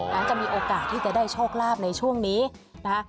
นั้นจะมีโอกาสที่จะได้โชคลาภในช่วงนี้นะคะ